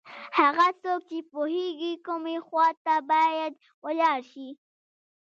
هغه څوک چې پوهېږي کومې خواته باید ولاړ شي.